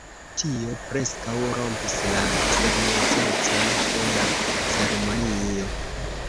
Tio preskaŭ rompis la seriozecon de la ceremonio.